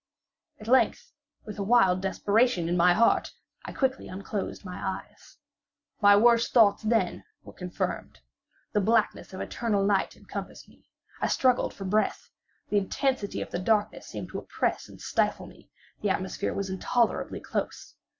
At length, with a wild desperation at heart, I quickly unclosed my eyes. My worst thoughts, then, were confirmed. The blackness of eternal night encompassed me. I struggled for breath. The intensity of the darkness seemed to oppress and stifle me. The atmosphere was intolerably close.